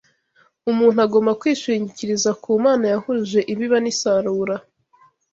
Umuntu agomba kwishingikiriza ku Mana yahuje ibiba n’isarura